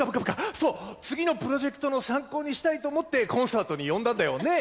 そう次のプロジェクトの参考にしたいと思ってコンサートに呼んだんだよねぇ？